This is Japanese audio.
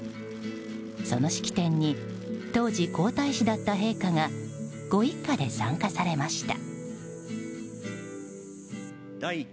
その式典に当時、皇太子だった陛下がご一家で参加されました。